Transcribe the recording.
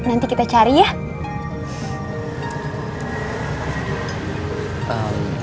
nanti kita cari ya